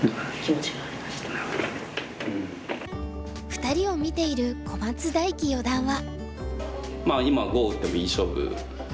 ２人を見ている小松大樹四段は。